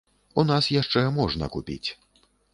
У нас яшчэ можна купіць.